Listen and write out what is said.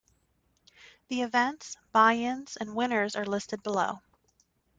The events, buy-ins, and winners are listed below.